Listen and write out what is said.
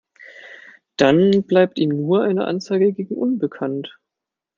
Dann bleibt ihm nur eine Anzeige gegen unbekannt.